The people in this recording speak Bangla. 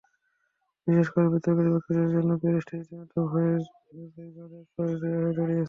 বিশেষ করে বিতর্কিত ব্যক্তিত্বদের জন্য প্যারিস তো রীতিমতো ভয়ের জায়গা হয়ে দাঁড়িয়েছে।